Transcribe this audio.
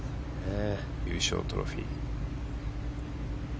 優勝トロフィー。